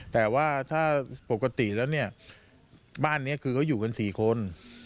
แต่ว่าถ้าปกติแล้วเนี่ยบ้านนี้คือเขาอยู่กัน๔คน